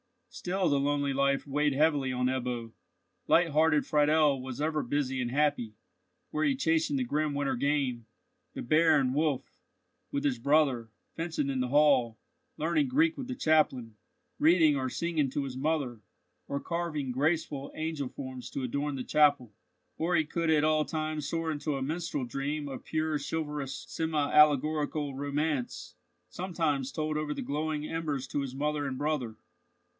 Still the lonely life weighed heavily on Ebbo. Light hearted Friedel was ever busy and happy, were he chasing the grim winter game—the bear and wolf—with his brother, fencing in the hall, learning Greek with the chaplain, reading or singing to his mother, or carving graceful angel forms to adorn the chapel. Or he could at all times soar into a minstrel dream of pure chivalrous semi allegorical romance, sometimes told over the glowing embers to his mother and brother.